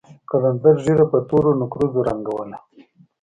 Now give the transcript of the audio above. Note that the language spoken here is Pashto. قلندر ږيره په تورو نېکريزو رنګوله.